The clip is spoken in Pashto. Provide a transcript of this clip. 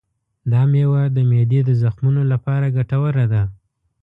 دا مېوه د معدې د زخمونو لپاره ګټوره ده.